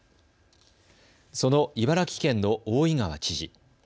その茨城県の大井川知事。